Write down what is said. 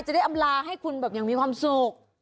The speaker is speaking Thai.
จะได้อำลาให้คุณแบบยังมีความสุข